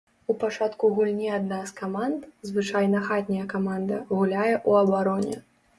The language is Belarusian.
У пачатку гульні адна з каманд, звычайна хатняя каманда, гуляе ў абароне.